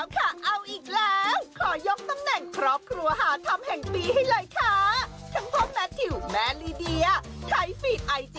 โปรดติดตามตอนต่อไป